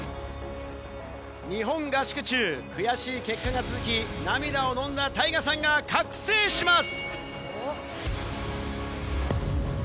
日本合宿中、悔しい結果が続き、涙をのんだタイガさんが覚醒します。